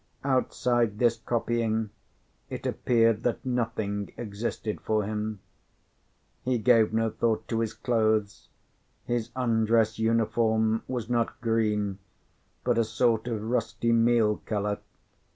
Outside this copying, it appeared that nothing existed for him. He gave no thought to his clothes: his undress uniform was not green, but a sort of rusty meal colour.